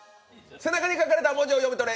背中に書かれた文字を読み取れ！